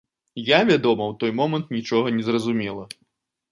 Я, вядома, у той момант нічога не разумела.